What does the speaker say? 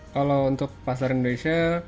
kalau untuk pasar indonesia